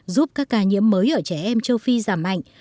giúp các ca nhiễm mới ở trẻ em châu phi giảm mạnh